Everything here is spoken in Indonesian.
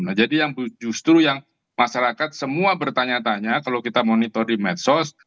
nah jadi yang justru yang masyarakat semua bertanya tanya kalau kita monitor di medsos